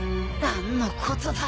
何のことだ？